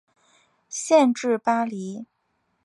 县治巴黎。